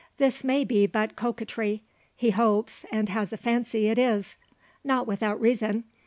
This may be but coquetry. He hopes, and has a fancy it is. Not without reason.